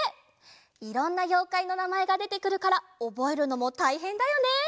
いろんなようかいのなまえがでてくるからおぼえるのもたいへんだよね。